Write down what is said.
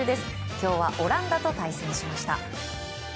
今日はオランダと対戦しました。